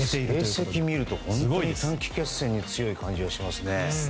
成績を見ると本当にすごい短期合戦型という感じがしますね。